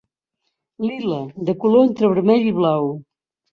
Lila, de color entre vermell i blau.